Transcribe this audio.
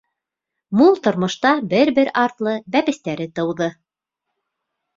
Мул тормошта бер-бер артлы бәпестәре тыуҙы.